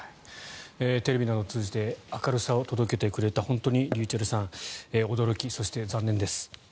テレビなどを通じて明るさを届けてくれたｒｙｕｃｈｅｌｌさん驚き、そして残念です。